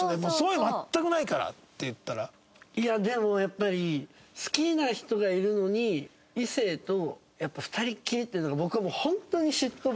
いやでもやっぱり好きな人がいるのに異性と２人きりっていうのが。